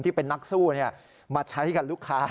ที่เป็นนักสู้มาใช้กับลูกค้า